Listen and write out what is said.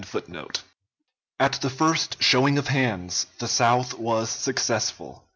] At the first showing of hands, the South was successful.